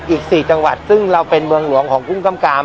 อีก๔จังหวัดซึ่งเราเป็นเมืองหลวงของกุ้งกำกาม